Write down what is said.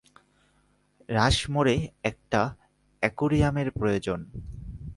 রাশমোরে একটি অ্যাকোয়ারিয়ামের প্রয়োজন।